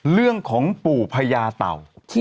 ดื่มน้ำก่อนสักนิดใช่ไหมคะคุณพี่